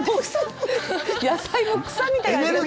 野菜も草みたいな味する。